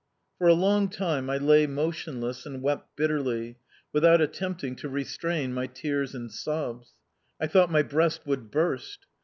For a long time I lay motionless and wept bitterly, without attempting to restrain my tears and sobs. I thought my breast would burst.